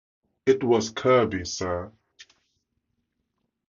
It was Kirby, sir.